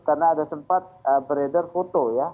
karena ada sempat beredar foto ya